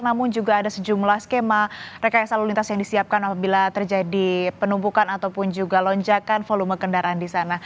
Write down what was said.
namun juga ada sejumlah skema rekayasa lalu lintas yang disiapkan apabila terjadi penumpukan ataupun juga lonjakan volume kendaraan di sana